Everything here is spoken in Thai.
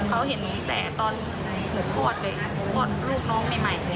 มันต้องมาดูมาเห็นความรู้สึกของคนเป็นแม่คุณ